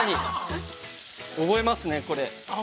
◆覚えますね、これ。